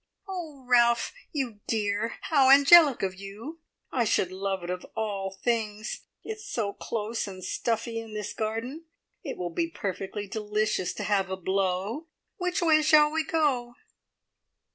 "Oh, Ralph, you dear! How angelic of you! I should love it of all things. It's so close and stuffy in this garden. It will be perfectly delicious to have a blow. Which way shall we go?"